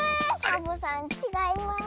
サボさんちがいます。